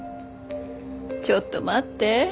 ちょっと待って。